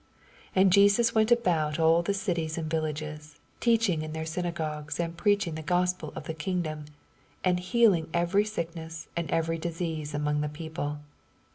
85 And Jesus went about all the cities and villages, teachinff in their synagogues, and preaching tne Gospel of the kingdom, and healing every sickness and every disease among the people.